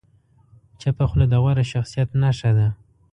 چپه خوله، د غوره شخصیت نښه ده.